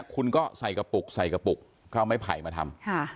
คุณก็ใส่กระปุกเขาไม่ให้ผ่ายมาทำ